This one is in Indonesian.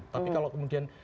tapi kalau kemudian